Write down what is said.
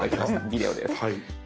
ビデオです。